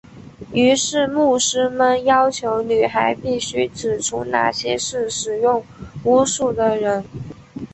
于是牧师们要求女孩必须指出哪些是使用巫术的人。